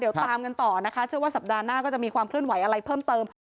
เดี๋ยวตามกันต่อนะคะเชื่อว่าสัปดาห์หน้าก็จะมีความเคลื่อนไหวอะไรเพิ่มเติม